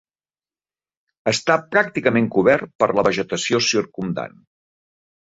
Està pràcticament cobert per la vegetació circumdant.